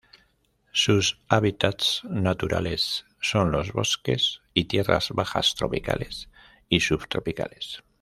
Sus hábitats naturales son los bosques y tierras bajas tropicales y subtropicales.